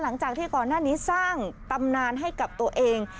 หลังจากที่ก่อนหน้านี้สร้างตำนานให้กับตัวเอง